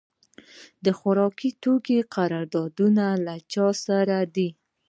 د خوراکي توکو قراردادونه له چا سره دي؟